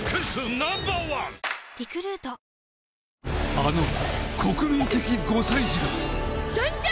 あの国民的５歳児が参上！